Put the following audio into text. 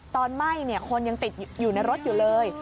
ไหม้คนยังติดอยู่ในรถอยู่เลย